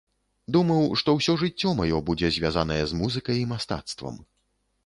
Думаў, што ўсё жыццё маё будзе звязанае з музыкай і мастацтвам.